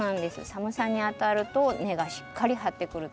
寒さにあたると根がしっかり張ってくる。